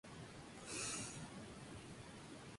De este modo la provincia del Chaco quedó sin constitución.